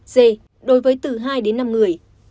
d đối với từ hai đến năm người